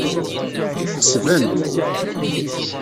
Ḥesbent.